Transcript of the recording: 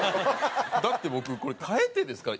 だって僕これ替えてですから。